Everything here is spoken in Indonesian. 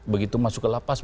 begitu masuk ke lapas